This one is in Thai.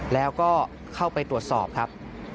แล้วก็เข้าไปตรวจสอบครับ